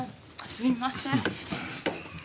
すいませんもう。